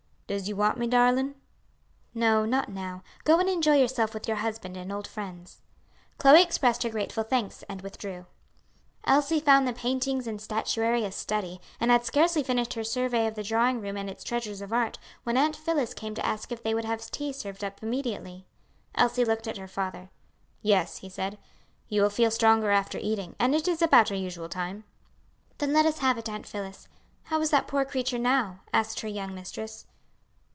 "Does you want me, darlin'?" "No, not now. Go and enjoy yourself with your husband and old friends." Chloe expressed her grateful thanks, and withdrew. Elsie found the paintings and statuary a study, and had scarcely finished her survey of the drawing room and its treasures of art, when Aunt Phillis came to ask if they would have tea served up immediately. Elsie looked at her father. "Yes," he said; "you will feel stronger after eating, and it is about our usual time." "Then let us have it, Aunt Phillis. How is that poor creature now?" asked her young mistress.